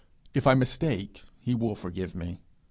If I mistake, he will forgive me.